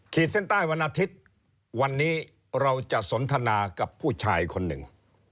เส้นใต้วันอาทิตย์วันนี้เราจะสนทนากับผู้ชายคนหนึ่ง